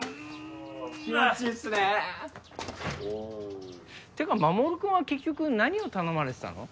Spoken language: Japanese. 気持ちいいっすねってかマモル君は結局何を頼まれてたの？